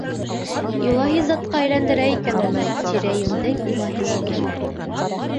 Илаһи затҡа әйләндерә икән уны тирә-йүндең илаһилығы.